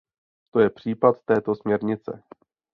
To je případ této směrnice.